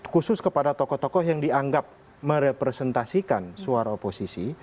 khusus kepada tokoh tokoh yang dianggap merepresentasikan suara oposisi